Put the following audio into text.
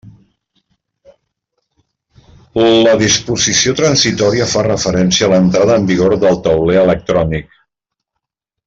La disposició transitòria fa referència a l'entrada en vigor del tauler electrònic.